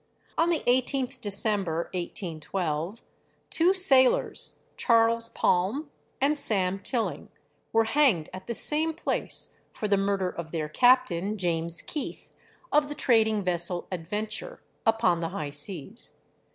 On the 18th December, 1812, two sailors, Charles Palm and Sam Tilling, were hanged at the same place for the murder of their captain, James Keith, of the trading vessel 'Adventure,' upon the high seas.